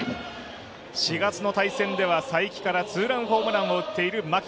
４月の対戦では才木からツーランホームランを打っている牧。